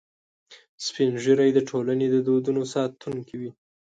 سپین ږیری د ټولنې د دودونو ساتونکي دي